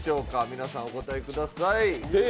皆さんお答えください。